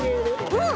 うん！